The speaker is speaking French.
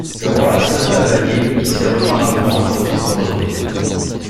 Le Roi, à Saltabadil, qui s’est remis gravement à frotter son baudrier.